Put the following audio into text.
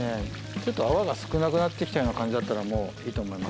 ちょっと泡が少なくなってきたような感じだったらもういいと思います。